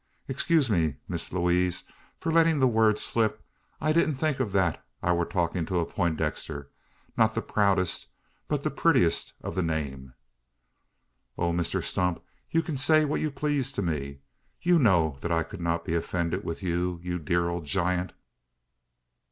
Excuse me, Miss Lewaze, for lettin' the word slip. I did think o't thet I war talkin' to a Peintdexter not the proudest, but the puttiest o' the name." "Oh, Mr Stump! you can say what you please to me. You know that I could not be offended with you, you dear old giant!"